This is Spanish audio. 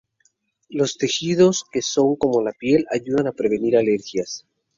Los tejidos que son como la piel ayudan a prevenir alergias.